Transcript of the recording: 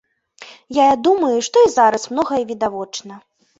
Я думаю, што і зараз многае відавочна.